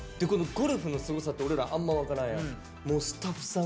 ゴルフのすごさって俺らあんま分からんやん。